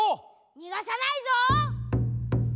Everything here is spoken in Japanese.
にがさないぞ！